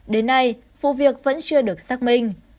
đến nay vụ việc vẫn chưa được xác minh